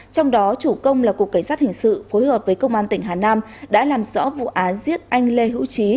trong đó chủ công là cục cảnh sát hình sự phối hợp với công an tỉnh hà nam đã làm rõ vụ án giết anh lê hữu trí